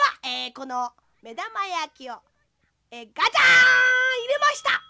このめだまやきをガチャン！いれました！